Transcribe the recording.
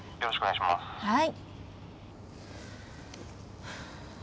はい。